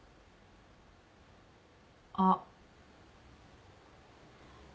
あっ。